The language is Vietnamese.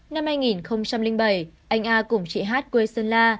năm hai nghìn bảy anh a cùng chị hát quê sơn la